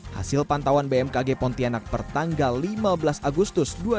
hasil pantauan bmkg pontianak pertanggal lima belas agustus dua ribu dua puluh